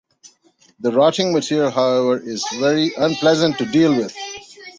The rotting material however, is very unpleasant to deal with.